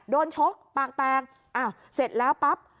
โดนชกปากแตกเสร็จแล้วปั๊บ